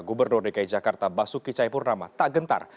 gubernur dki jakarta basuki cayapurnama tak gentar